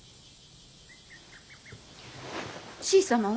しい様は？